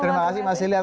terima kasih mba silih